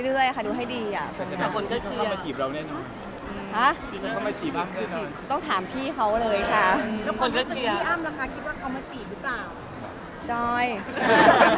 เลี่ยงกระป๋านลลบดิน